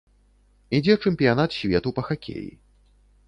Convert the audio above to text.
Ідзе чэмпіянат свету па хакеі.